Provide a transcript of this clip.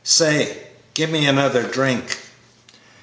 Say, give me another drink.